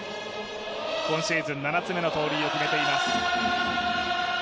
今シーズン７つ目の盗塁を決めています。